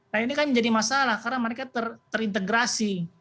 nah ini kan menjadi masalah karena mereka terintegrasi